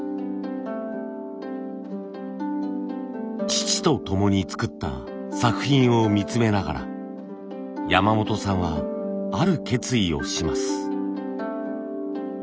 父とともに作った作品を見つめながら山本さんはある決意をします。